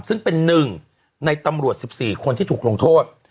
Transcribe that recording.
ซึ่งเป็น๑ในตำรวจ๑๔คนที่ถูกลงโทษ